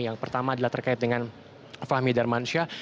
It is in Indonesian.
yang pertama adalah terkait dengan fahmi darmansyah